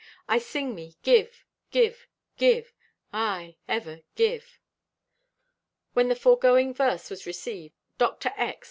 I sing me Give! Give! Give! Aye, ever Give! When the foregoing verse was received, Dr. X.